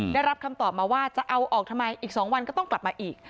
ได้รับคำตอบมาว่าจะเอาออกทำไมอีก๒วันก็ต้องกลับมาอีก